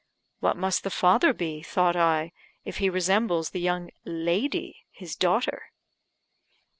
"What must the father be," thought I, "if he resembles the young lady, his daughter?"